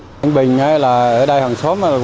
hằng bình là ở đây hằng xóm